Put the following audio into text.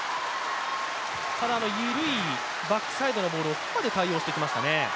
緩いバックサイドのボールをフォアで対応してきましたね。